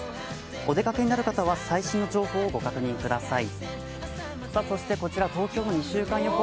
お出かけになる方は最新の情報をご確認ください。